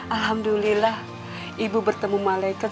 alhamdulillah ibu bertemu malaikat